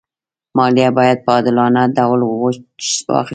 مالیه باید په عادلانه ډول واخېستل شي.